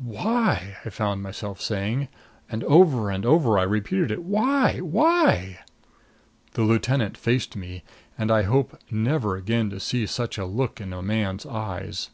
"Why?" I found myself saying, and over and over I repeated it "Why? Why?" The lieutenant faced me, and I hope never again to see such a look in a man's eyes.